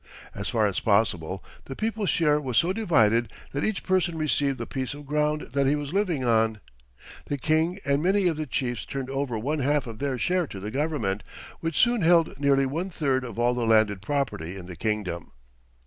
As far as possible the people's share was so divided that each person received the piece of ground that he was living on. The King and many of the chiefs turned over one half of their share to the Government, which soon held nearly one third of all the landed property in the kingdom.